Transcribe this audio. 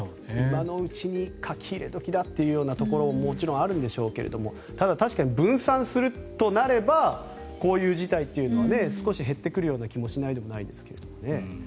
今のうちに書き入れ時だということももちろんあるんでしょうが確かに分散するとなればこういう事態というのは少し減ってくるような気がしないでもないですけどね。